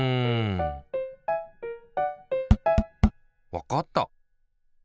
わかった！